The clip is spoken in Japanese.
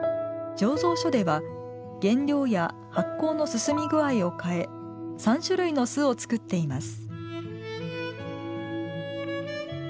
醸造所では原料や発酵の進み具合を変え３種類の酢を作っています。